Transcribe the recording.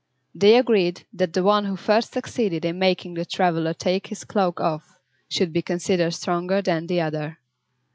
They agreed that the one who first succeeded in making the traveler take his cloak off should be considered stronger than the other.